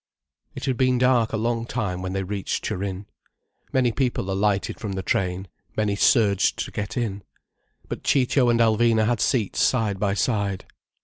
It had been dark a long time when they reached Turin. Many people alighted from the train, many surged to get in. But Ciccio and Alvina had seats side by side.